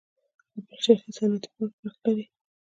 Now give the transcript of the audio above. د پلچرخي صنعتي پارک برق لري؟